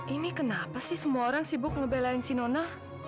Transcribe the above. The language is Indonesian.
ini kenapa sih semua orang sibuk ngebelain si nona